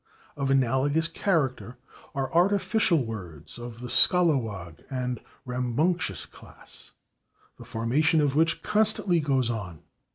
Of analogous character are artificial words of the /scalawag/ and /rambunctious/ class, the formation of which constantly goes on.